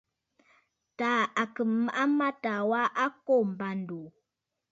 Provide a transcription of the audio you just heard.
Taà à kɨ̀ màʼa mâtaà wa a kô m̀bândòò.